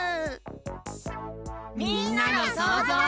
みんなのそうぞう。